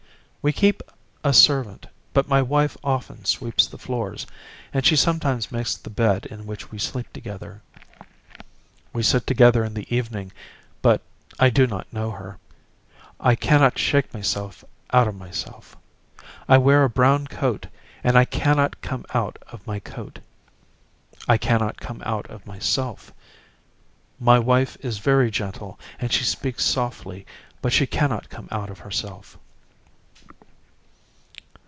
We keep a servant but my wife often sweeps the floors and she sometimes makes the bed in which we sleep together. We sit together in the evening but I do not know her. I cannot shake myself out of myself. I wear a brown coat and I cannot come out of my coat. I cannot come out of myself. My wife is very gentle and she speaks softly but she cannot come out of herself.